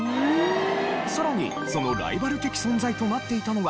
さらにそのライバル的存在となっていたのは。